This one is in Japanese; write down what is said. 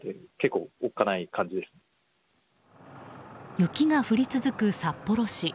雪が降り続く札幌市。